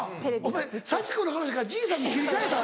お前サチコの話からじいさんに切り替えた？